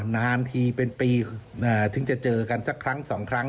นานทีเป็นปีถึงจะเจอกันสักครั้งสองครั้ง